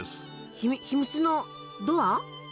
ひみ秘密のドア？